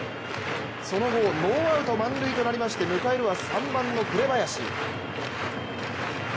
その後、ノーアウト満塁となりまして迎えるは３番の紅林。